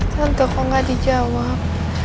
tante kok gak dijawab